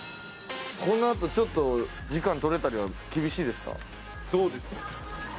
このあとちょっと時間取れたりは厳しいですか？